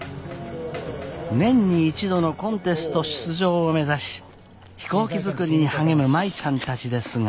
年に１度のコンテスト出場を目指し飛行機作りに励む舞ちゃんたちですが。